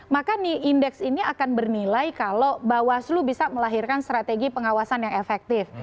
maka nih indeks ini akan bernilai kalau bawaslu bisa melahirkan strategi pengawasan yang efektif